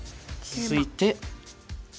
続いてＢ。